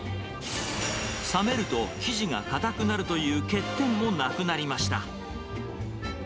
冷めると記事が硬くなるという欠点もなくなりました。